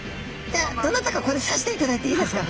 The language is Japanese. どなたかこれ刺していただいていいですか？